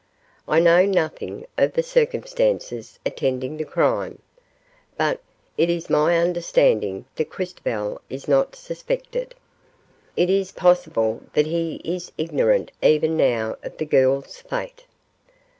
I know nothing of the circumstances attending the crime, but it is my understanding that Christobal is not suspected. It is possible that he is ignorant even now of the girl's fate."